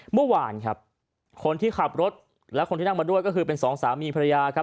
เมื่อวานครับคนที่ขับรถและคนที่นั่งมาด้วยก็คือเป็นสองสามีภรรยาครับ